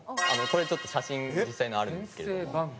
これちょっと写真実際のあるんですけれども。